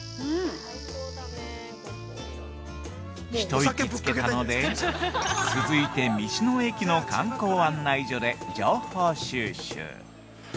◆一息つけたので、続いて道の駅の観光案内所で情報収集。